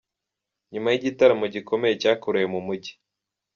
Nyuma yigitaramo gikomeye cyakorewe mu mujyi